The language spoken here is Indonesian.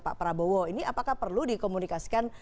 pak prabowo ini apakah perlu dikomunikasikan